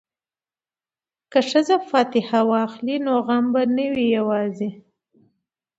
که ښځې فاتحه واخلي نو غم به نه وي یوازې.